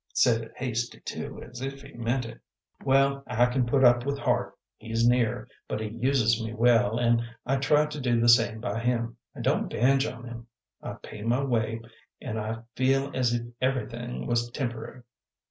Said it hasty, too, as if he meant it." "Well, I can put up with Hart; he's near, but he uses me well, an' I try to do the same by him. I don't bange on 'em; I pay my way, an' I feel as if everything was temp'rary.